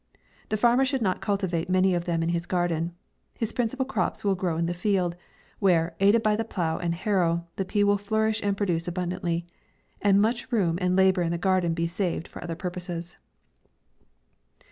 The farmer should not cultivate many of them in his garden; his principal crops will grow in the field, where, aided by the plough and harrow, the pea will flourish and produce abundantly ; and much room and labour in the garden be saved for other purposes.